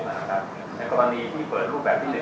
ในกรณีที่เปิดรูปแบบที่๑